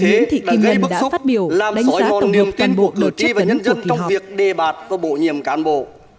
vì thế là gây bức xúc làm xói ngọn niềm tin của đội trí và nhân dân trong việc đề bạt và bổ nhiệm cán bộ